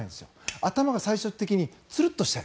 頭が最終的にツルッとしたい。